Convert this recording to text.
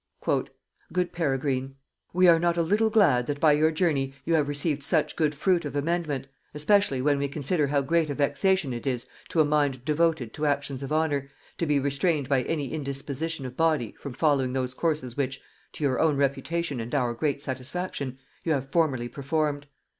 "Good Peregrine, "We are not a little glad that by your journey you have received such good fruit of amendment, especially when we consider how great a vexation it is to a mind devoted to actions of honor, to be restrained by any indisposition of body from following those courses which, to your own reputation and our great satisfaction, you have formerly performed.